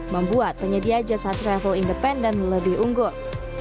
membuat penyedia jasa travel independen lebih unggul